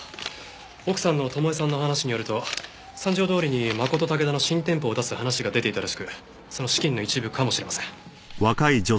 奥さんの巴さんの話によると三条通にマコトタケダの新店舗を出す話が出ていたらしくその資金の一部かもしれません。